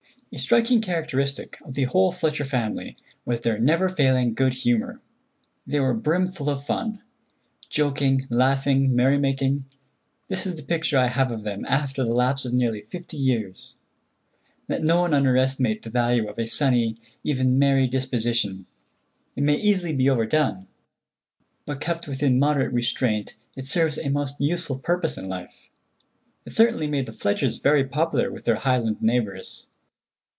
A striking characteristic of the whole Fletcher family was their never failing good humor; they were brimful of fun. Joking, laughing, merry making—this is the picture I have of them after the lapse of nearly fifty years. Let no one underestimate the value of a sunny, even merry, disposition. It may easily be overdone, but kept within moderate restraint it serves a most useful purpose in life. It certainly made the Fletchers very popular with their Highland neighbors.